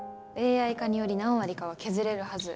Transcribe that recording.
ＡＩ化により何割かは削れるはず。